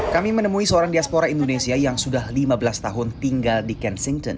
kami menemui seorang diaspora indonesia yang sudah lima belas tahun tinggal di kensington